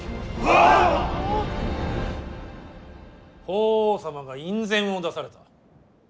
法皇様が院宣を出された。